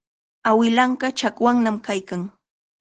Awilanqa chakwannam kaykan.